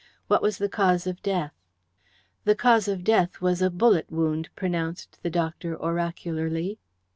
What was the cause of death?" "The cause of death was a bullet wound," pronounced the doctor oracularly.